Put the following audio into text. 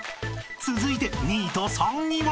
［続いて２位と３位は？］